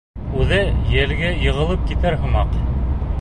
Үҙе елгә йығылып китер һымаҡ.